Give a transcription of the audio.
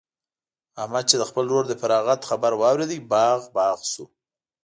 احمد چې د خپل ورور د فراغت خبر واورېد؛ باغ باغ شو.